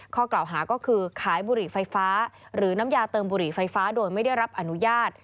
ข้อกล่าวหาก็คือขายบุหรี่ไฟฟ้าหรือน้ำยาเติมบุหรี่ไฟฟ้าโดยไม่ได้รับอนุญาต